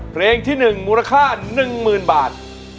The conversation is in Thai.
เพลงที่หนึ่งมูลค่าหนึ่งหมื่นบาท